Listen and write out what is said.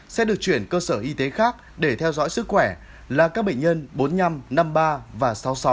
sẽ được chuyển cơ sở y tế khác để theo dõi sức khỏe là các bệnh nhân bốn mươi năm năm mươi ba và sáu mươi sáu